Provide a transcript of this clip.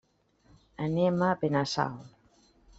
Anem a Benassal.